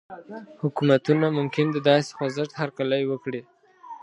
حکومتونه ممکن د داسې خوځښت هرکلی وکړي.